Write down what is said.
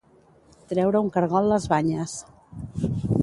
Treure un cargol les banyes.